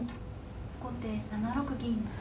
後手７六銀。